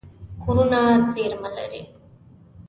غرونه زیرمه لري.